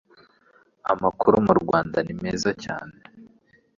AMAKURU MU RWANDA nimeza cyane